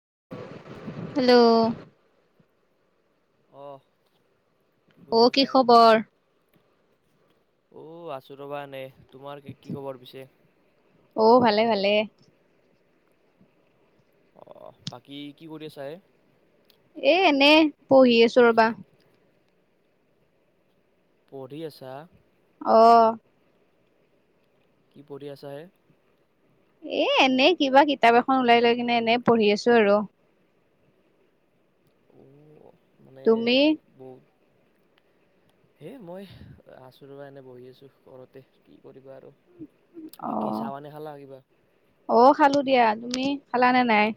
Hello, অ', ঔ কি খবৰ? ঔ আছো ৰবা এনে, তোমাৰ কি খবৰ পিছে? অ ভালে [inaudible] অহ বাকী কি কৰি আছা এ? এ এনে পঢ়ি আছোঁ ৰবা। পঢ়ি আছা? অঁ। কি পঢ়ি আছা হে? এ এনেই কিবা কিতাপ এখন ওলাই লৈ কিনে এনে পঢ়ি আছো আৰু। অ। মানে তুমি? [inaudible] হে মই আচো ৰ'বা এনে বহি আছোঁ, ঘৰতে কি কৰিব আৰু। বাকী চাহ অ', পানী খালা কিবা? অ', খালোঁ দিয়া, তুমি খালানে নাই?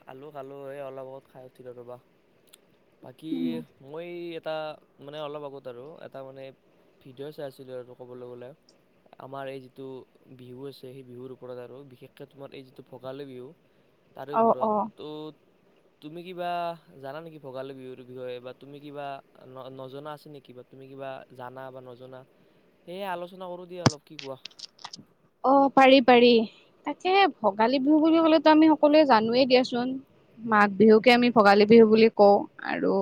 খালোঁ, খালোঁ এই অলপ আগত খাই উঠিলো ৰ'বা, বাকী মই এটা মানে অলপ আগত আৰু এটা মানে ভিডিঅ' চাই আছিলো আৰু ক'বলৈ গ'লে। আমাৰ এই যিটো বিহু আছে সেই বিহুৰ ওপৰত আৰু বিশেষকে তোমাৰ এই যিটো ভোগালী বিহু। অ', অ'। ক'ত? তুমি কিবা জানা নেকি ভোগালী বিহুৰ বিষয়ে বা তুমি কিবা নজনা আছে নেকি বা তুমি তুমি কিবা জানা বা নজনা সেয়হে আলোচনা কৰো দিয়া অলপ, কি কোৱা? অ' পাৰি পাৰি। তাকে ভোগালী বিহু বুলি ক'লেতো আমি সকলোৱে জানোৱেই দিয়াচোন। মাঘ বিহুকে আমি ভোগালী বিহু বুলি কওঁ আৰু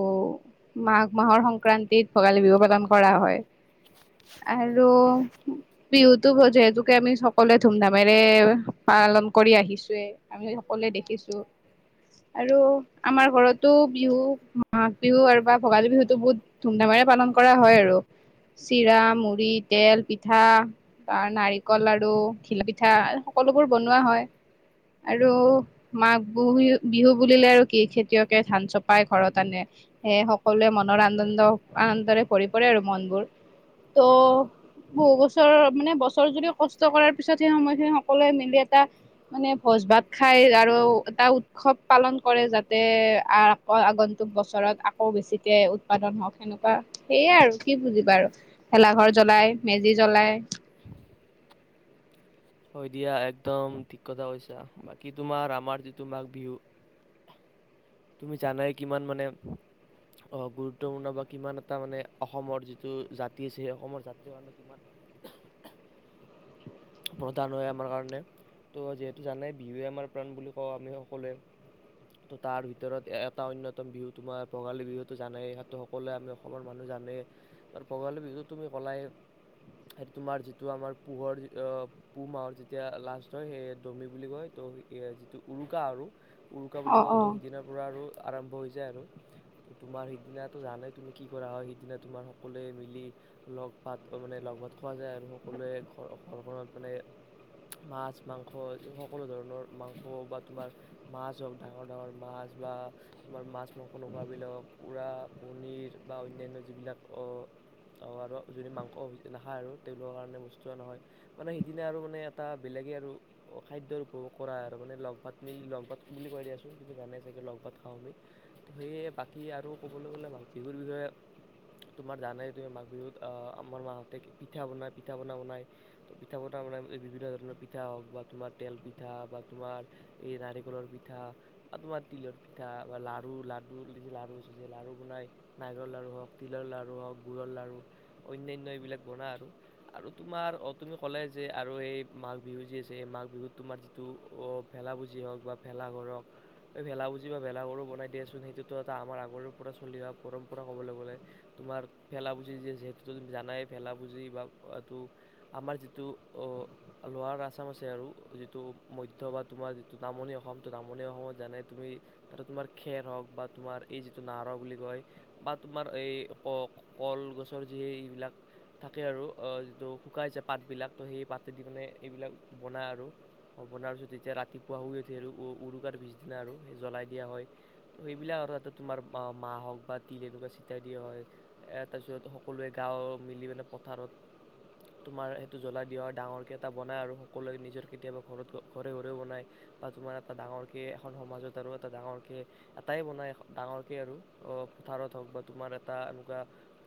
মাঘ মাহৰ সংক্ৰান্তিত ভোগালী বিহু পালন কৰা হয়। আৰু বিহুতো [unintelligible] আমি সকলোৱে ধুম ধামেৰে পালন কৰি আহিছোৱে। আমি সকলোৱে দেখিছো। আৰু আমাৰ ঘৰতো বিহু মাঘ বিহু আৰু বা ভোগালী বিহুতো বহুত ধুমধামে পালন কৰা হয় আৰু। চিৰা, মুড়ি, তেল পিঠা, নাৰিকল নাৰিকলৰ লাৰু, ঘিল পিঠা সকলোবোৰ বনোৱা হয়। আৰু মাঘ বিহু বিহু বুলিলে আৰু কি খেতিয়কে ধান চপাই ঘৰত আনে। সেইয়ে সকলোৱে মনৰ আনন্দ আনন্দৰে ভৰি পৰে আৰু মনবোৰ। ত' বহু বছৰৰ মানে বছৰ যদি কষ্ট কৰাৰ পিছত সেই সময়খিনিত সকলোৱে মিলি এটা মানে ভোজ ভাত খাই আৰু এটা উট্ উৎসৱ পালন কৰে যাতে আ আগন্তুক বছৰত আকৌ বেছিকৈ উৎপাদন হওক সেনেকুৱা। সেয়াই আৰু কি বুজিবা আৰু ভেলাঘৰ জ্বলাই, মেজি জ্বলাই। [unintelligible] হয় দিয়া একদম ঠিক কথা কৈছা। বাকী তোমাৰ আমাৰ যিটো মাঘ বিহু তুমি জানাই কিমান মানে অ গুৰুত্বপূৰ্ণ বা কিমান এটা মানে অসমৰ যিটো জাতি আছে সেই অসমৰ জাতি কাৰণে কিমান [inaudible] প্ৰধান হয় আমাৰ কাৰণে। ত' যিহেতু জানে বিহুৱে আমাৰ প্ৰাণ বুলি কওঁ আমি সকলোৱে। ত' তাৰ ভিতৰত এটা অন্যতম বিহু তোমাৰ ভোগালী বিহুতো জানেই সকলোৱে আমি অসমৰ মানুহে জানে ত' ভোগালী বিহুতো তুমি ক'লাই তোমাৰ যিটো আমাৰ পোহৰ অহ' পুহ মাহত যেতিয়া লাষ্ট হয়, সেই দুমি বুলি কয় তো যিটো উৰুকা আৰু উৰুকা বুলি অ অ কওঁতো সিদিনাৰ পৰা আৰু আৰম্ভ হৈ যায় আৰু। তো তোমাৰ সিদিনাটো জানে তুমি কি কৰা হয়, সিদিনা তোমাৰ সকলোৱে মিলি লগ পাত মানে লগ ভাত খোৱা যায় আৰু সকলোৱে ঘৰ ঘৰখনত মানে মাছ, মাংস সকলো ধৰণৰ মাংস বা তোমাৰ মাছ হওঁক ডাঙৰ ডাঙৰ মাছ বা তোমাৰ মাছ, মাংস নোখোৱা বিলাকক পোৱা পণীৰ বা অন্যান্য যি বিলাক অ'। অ' আৰু আৰু যোনে মাংস নাখায় আৰু তেওঁলোকৰ কাৰণে বস্তু অনা হয়। মানে সেইদিনা আৰু মানে এটা বেলেগে আৰু খাদ্যৰ উপভোগ কৰা আৰু মানে লগ ভাতৃ লগত বুলি কৈ দিয়াচোন। কিন্তু জানে চাগে লগ ভাত খাওঁ। আমি সেয়ে বাকী আৰু ক'বলৈ গ'লে বিহুৰ বিষয়ে তোমাৰ জানে তুমি মাঘ বিহুত আহ আমাৰ মাহঁতে কি পিঠা বনাই পিঠা পনা বনাই। পিঠা পনা মানে বিভিন্ন ধৰণৰ পিঠা হওঁক বা তোমাৰ তেল পিঠা বা তোমাৰ এই নাৰিকলৰ পিঠা পিঠা বা তোমাৰ তিলৰ পিঠা বা লাৰু লাডু দি লাৰু আ লাৰু বনাই নাৰকলৰ লাডু ৰহক তিল লাৰু হওঁক গুড় লাৰু অনান্য এই এই বিলাক বনা আৰু আৰু তোমাৰ অ'। তুমি ক'লে যে আৰু সেই মাঘ বিহু যি আছে এই মাঘ বিহুত তোমাৰ যিটো অ' ভেলা বুজি হওঁক বা ভেলা ডাঙৰক এই ভেল বুজি বা ভেলা ঘৰ বনাই দিয়াচোন, সেইটো এটা আমাৰ আগৰ পৰা চলি অহা পৰম্পৰা ল'বলে তোমাৰ ভেলা বুজি যিহেতুো জানাই ভেলা বুজি বা টো আমাৰ যিটো অহ' লোৱাৰ আচাম আছে আৰু যিটো মধ্য বা তোমাৰ যিটো নামনি অসম অসম নামনি অসমত তুমি তাতো তোমাৰ খেৰ হওঁক বা তোমাৰ এই যিটো নাৱৰা বুলি কয়। তোমাৰ এই ক কল গছৰ যি এইবিলাক থাকে আৰু অ যিটো শুকাই চাপ পাতবিলাক তো সেই পাতেদি মানে এইবিলাক বনায় আৰু বনাৰ পিছত যেতিয়া ৰাতিপুৱা শুই উঠে আৰু উৰুকাৰ পিছদিনা আৰু সেই জ্বলাই দিয়া হয় ত সেইবিলাক আৰু ততে তোমাৰ মাহ হওক বা তিল এনেকুৱা ছটিয়াই দিয়া হয়, এহ তাৰপিছত সকলোৱে গাঁৱ মিলি মানে পথাৰত তোমাৰ সেইটো জ্বলাই দিয়া হয় ডাঙৰকে এটা বনাই আৰু সকলোৱে নিজৰ কেতিয়াবা ঘৰত ঘৰে ঘৰেও বনাই বা তু এটা ডাঙৰ কে এখন সমাজত আৰু এটা ডাঙৰ কে এটাই বনাই ডাঙৰ কে আৰু অ পথাৰত। [unintelligible] বা তোমাৰ এটা এনেকোৱা,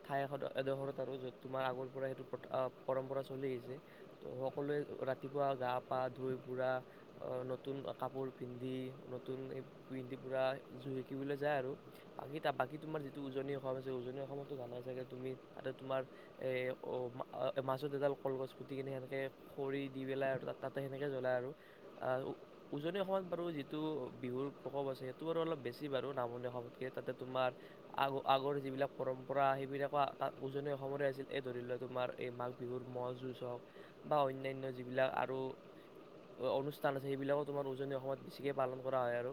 ঠাই এডোখৰত আৰু য'ত তোমাৰ আগৰ পৰা সেইটো প্ৰ পৰম্পৰা চলি আহিছে ত সকলোৱে ৰাতিপুৱা গা পা ধুই পুৰা নতুন কাপোৰ পিন্ধি, নতুন এই পিন্ধি পুৰা জুই হেকিবলে যায় আৰু আমি তা বাকি ব তোমাৰ যিটো উজনি অসম আছে উজনি অসমতো জানাই চাগে তুমি তাতে তোমাৰ এ অ আ মাছত এডাল কলগছ পুতি কিনে সেনেকে খৰি দি পেলাই আৰু তাত তাতে সেনেকে জ্বলায় আৰু, উজনি অসমত বাৰু যিটো বিহুৰ প্ৰকপ আছে সেইটো বাৰু অলপ বেছি বাৰু নামনি অসমতকে তাতে তোমাৰ আগ আগৰ যিবিলাক পৰম্পৰা সেইবিলাক তাত উজনি অসমৰে আছিল এই ধৰি লোৱা তোমাৰ এই মাঘ বিহুৰ ম'হ যুঁজ হওক, বা অন্যান্য যিবিলাক আৰু অ-অনুষ্ঠান আছে সেইবিলাকো তোমাৰ উজনি অসমত বেছিকে পালন কৰা হয় আৰু,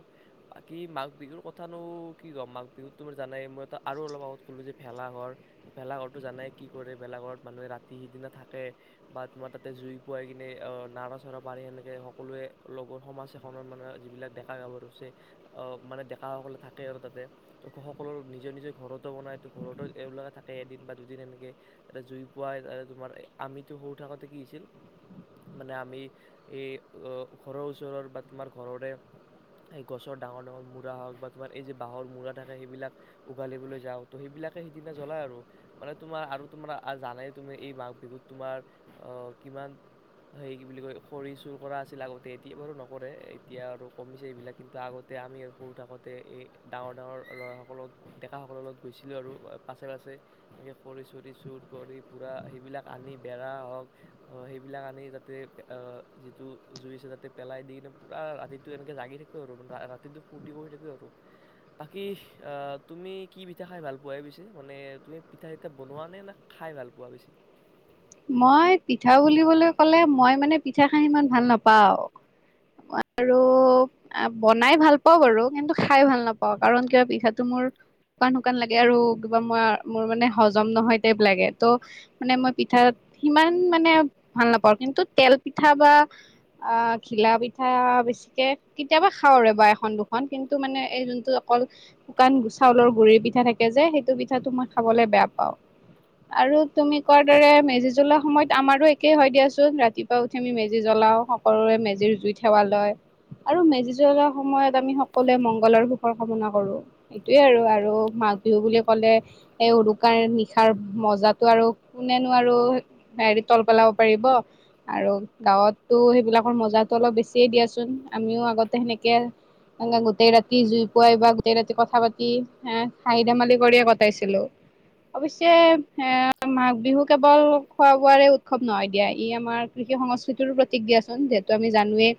বাকী মাঘ বিহুৰ কথা নৌ কি ক'ম মাঘ বিহুত তোমাৰ জানাই মই তো আৰু অলপ আগত ক'লো যে ভেলা ঘৰ ভেলা ঘৰটো জানাই কি কৰে ভেলা ঘৰত মানুহে ৰাত তি সিদিনা থাকে, বা তোমাৰ তাতে জুই পোৱাই কিনে নাৰো চাৰো পাৰী সেনেকে সকলোৱে অল [unintelligible] সমাজ এখনত মানে যিবিলাক ডেকা গাভৰু আছে আহ মানে ডেকাসকলে থাকে আৰু তাতে ত' সকলোৰ নিজৰ নিজৰ ঘৰতো বনাই ত' ঘৰতো এওঁলোকে থাকে এদিন বা দুদিন এনেকে, তাতে জুই পোৱাই তোমাৰ আমিতো সৰু থাকোতে কি হৈছিল মানে আমি এই ঘৰৰ ওচৰৰ বা তোমাৰ ঘৰৰে এই গছৰ ডাঙৰ ডাঙৰ মূৰা হওক বা তোমাৰ এই যে বাঁহৰ মূৰা থাকে সেইবিলাক উঘালিবলৈ যাও ত সেইবিলাক সিদিনা জ্বলাই আৰু মানে তোমাৰ আৰু তোমাৰ জানা তুমি এই মাঘ বিহুত তোমাৰ আহ কিমান সেই কি বুলি কয় খৰি চুৰ কৰা আছিল আগতে এতিয়া বাৰু নকৰে এতিয়া আৰু কমিছে এইবিলাক কিন্তু আগতে আমি সৰু থাকোতে এই ডাঙৰ ডাঙৰ ল'ৰাসকলত ডেকাসকলৰ লগত গৈছিলোঁ আৰু পাছে পাছে। খৰি চৰি চুৰ কৰি সেইবিলাক আনি বেৰা হওক সেইবিলাক আনি যাতে অ যিটো যো পেলাই দি কিনে পুৰা ৰাতিটো এনেকে জাগি থাকে আৰু ৰাতিটো ফূৰ্তি কৰি থাকোঁ আৰু, বাকি অ তুমি কি পিঠা খাই ভাল পোৱা? পিছে মানে তুমি পিঠা চিঠা বনোৱা নে? নে খাই ভাল পোৱা পোৱা বেছি? মই পিঠা বুলিবলৈ ক'লে মই মানে পিঠা খাই ইমান ভাল নাপাওঁ, আৰু বনাই ভাল পাওঁ বাৰু কিন্তু খাই ভাল নাপাওঁ কাৰণ কিবা পিঠাটো মোৰ শুকান শুকান লাগে আৰু কিবা মই মোৰ মানে হজম নহয় টাইপ লাগে ত' মানে মই পিঠা, সিমান মানে ভাল নাপাওঁ কিন্তু তেল পিঠা বা, আহ ধিলা পিঠা অ বেছিকে কেতিয়াবা খাওঁ আৰু বা এখন দুখন কিন্তু মানে এই যোনটো অকল শুকান গুচ চাউলৰ গুৰিৰ পিঠা থাকে যে সেইটো পিঠাটো মই খাবলে বেয়া পাওঁ, আৰু তুমি কত? মেজি জ্বলা সময়ত আমাৰো একেই হয় দিয়াচোন ৰাতিপুৱা উঠি আমি মেজি জ্বলাওঁ সকলোৰে মেজিৰ জু ইত সেৱা লয়। আৰু মেজি জ্বলোৱা সময়ত আমি সকলোৱে মংগলৰ সুখৰ কামনা কৰোঁ, সেইটোৱে আৰু-আৰু মাঘ বিহু বুলি ক'লে, এই উৰুকাৰ নিশাৰ মজাটো আৰু কোনেনো আৰু হেৰি তল পেলাব পাৰিব। আৰু গাঁৱততো সেইবিলাকৰ মজাটো অলপ বেছিয়ে দিয়াচোন আমিও আগতে সেনেকে [unintelligible] গোটেই ৰাতি জুই পোৱাই বা গোতেই ৰাতি কথা পাতি, এ হাঁহি ধেমালি কৰিয়ে কটাইছিলোঁ। অৱশ্যে, সেয়া মাঘ বিহু কেৱল খোৱা বোৱাৰে উৎসৱ নহয় দিয়া ই আমাৰ কৃষি সংস্কৃতিৰো প্ৰতীক দিয়াচোন। সেইটো আমি জানোৱেই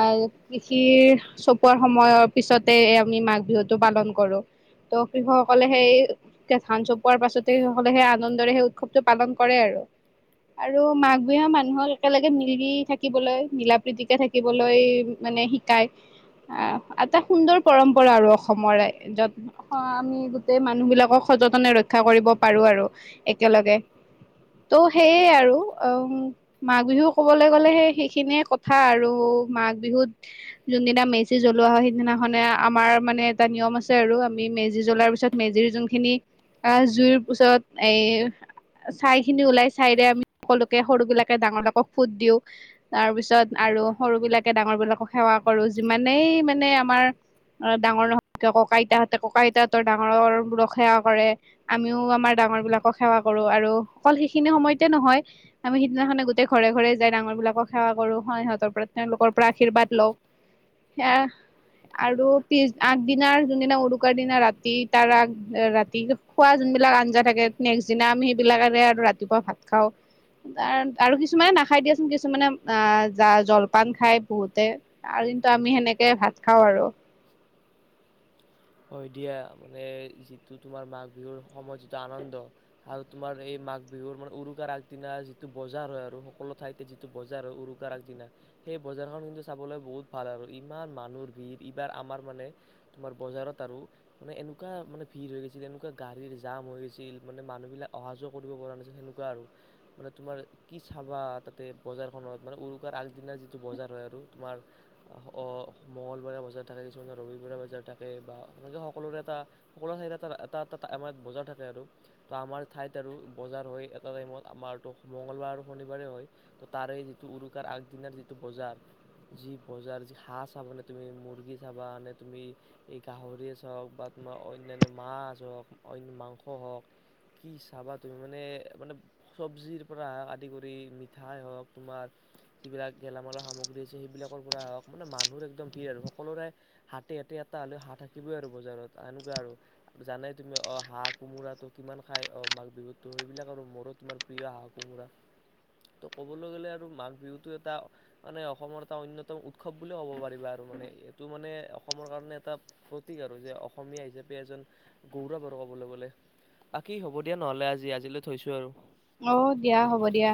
আহ কৃষিৰ চপোৱাৰ সময়ৰ পিছতে আমি মাঘ বিহুতটো পালন কৰো, ত কৃষকসকলে সেই ধান চপোৱাৰ পাছতে কৃষকলে হেয়া আনন্দৰে সেই উৎসৱটো পালন কৰে আৰু আৰু মাঘ বিহু মানুহৰ একেলগে মিলি থাকিবলৈ মিলা প্ৰীতিকে থাকিবলৈ মানে শিকায় অ' এটা সুন্দৰ পৰম্পৰা আৰু অসমৰে যত অ আমি গোটেই মানুহ বিলাকক সযতনে ৰক্ষা কৰিব পাৰো আৰু একেলগে ত' সেইয়ে আৰু উ মাঘ বিহু ক'বলৈ গ'লেহে সেইখিনিয়ে কথা আৰু মাঘ বিহুত যোনদিনা মেচি জ্বলোৱা হয় সিদিনাখনে আমাৰ মানে এটা নিয়ম আছে আৰু আমি মেজি জ্বলাৰ পিছত মেজিৰ যোনখিনি জুইৰ পিছত এ ছাই খিনি ওলাই চাইৰে আমি সকলোকে সৰু বিলাকে ডাঙৰক ফুট দিওঁ তাৰ পিছত। আৰু সৰু বিলাকে ডাঙৰ বিলাকক সেৱা কৰো যিমানেই মানে আমাৰ ডাঙৰ নহয় কিয় ককা আইতাহঁতে ককা আইতাহঁতৰ ডাঙৰৰ বোৰক সেৱা কৰে আমিও আমাৰ। ডাঙৰ বিলাকক সেৱা কৰো আৰু অকল সেইখিনি সময়তে নহয় আমি সিদিনাখনে গোটেই ঘৰে ঘৰে যাই ডাঙৰ বিলাকক সেৱা কৰো স সিহঁতৰ পৰা তেওঁলোকৰ পৰা আশীৰ্বাদ লও সেয়া আৰু পিছ আগদিনাৰ যোনদিনা উৰুকাৰ দিনা ৰাতি তাৰ আগ ৰাতি খোৱা যোন বিলাক আঞ্জা থাকে নেক্সট দিনা আমি সেইবিলাকেৰে আৰু ৰাতিপুৱা ভাত খাওঁ আৰু কিছুমানে নাখাই দিয়াচোন কিছুমানে আহ জ জলপান খাই বহুতে আৰু দটো আমি সেনেকে ভাত খাওঁ আৰু হয় দিয়া মানে যিটো তোমাৰ মাঘ বিহুৰ সময় যিটো আনন্দ আৰু তোমাৰ এই মাঘ বিহুৰ মানে উৰুকাৰ আগদিনা যিটো বজাৰ হয় আৰু সকলো ঠাইতে যিটো বজাৰ হয় উৰুকাৰ আগদিনা। সেই বজাৰখন কিন্তু চাবলৈ বহুত ভাল আৰু ইমান মানুহৰ ভিৰ এইবাৰ আমাৰ মানে তোমাৰ বজাৰত আৰু মানে এনেকুৱ মান ভিৰ হৈ গৈছিল এনেকুৱা গাড়ীৰ জাম হৈ গৈছিল মানে মানুহ বিলাক অহা যোৱা কৰিব। সেনেকুৱা আৰু মানে তোমাৰ কি চাবা তাতে বজাৰখনত মানে উৰুকাৰ আগদিনা যিটো। বজাৰ হয় আৰু তোমাৰ মঙলবাৰে বজাৰ থাকে কিছুমান ৰবিবাৰে বজাৰ থাকে বা। তেনেকে সকলোৰে এটা সকলোৰে ঠাই এ এটা এটাম বজাৰ থাকে আৰু ত আমাৰ ঠাইত আৰু জ হয় এটা টাইমত আমাৰ তো মংগলবাৰ আৰু শনিবাৰে হয় ত তাৰে যিটো উৰুকাৰ আগদিনাৰ যিটো। যি বজাৰ য হাঁহ চাবানে তুমি মৰ্গী চাবা নে তুমি গাহৰিছ হওক বা তোমাৰ অন্যান্য মাছ হওক মাংস হওক কি চাবা তুমি মানে মানে চব্জিৰ পৰা আদি কৰি মিঠাই হওক তোমাৰ যিবিলাক গেলামালৰ সামগ্ৰী আছে সেইবিলাকৰ পৰা হওক মানে মানুহৰ একদম ভিৰ আৰু সকলোৰে হাতে হাতে ত'লে হাত থাকিবই আৰু বজাৰত সনেকুৱা আৰু জানে তুমি অ হাঁহ কোমোৰাটো কিমান খাই অ মাঘ বিহুত ত' সেইবিলাক আৰু মোৰো তোমাৰ প্ৰিয় হাঁহ কোমোৰা ত' ক'বলৈ গ'লে আৰু মাঘ বিহুতটো এটা মানে অসমৰ এটা অন্যতম উৎসৱ ব বুলিুলও ক'ব পাৰিবা আৰু মানে এইটো মানে অসমৰ কাৰণে এটা সতক আৰু যে অসমীয়া হিচাপে এজন গৌৰৱ আৰু ক'বলৈ গ'লে বাকী হ'ব দিয়া নহলে আজি আজিলৈ থৈছো আৰু অ দিয়া হ'ব দিয়া